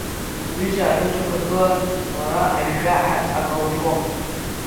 Уҩыза адәы дықәргылан, уара ажәжәаҳәа акруфо.